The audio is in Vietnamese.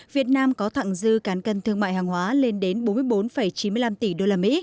việt nam có thẳng dư cán cân thương mại hàng hóa lên đến bốn mươi bốn chín mươi năm tỷ usd